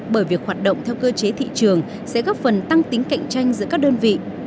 bởi việc hoạt động theo cơ chế thị trường sẽ góp phần tăng tính cạnh tranh giữa các đơn vị